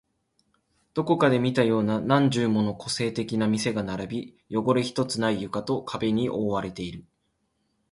どこかで見たような何十もの個性的な店が並び、汚れ一つない床と壁に覆われている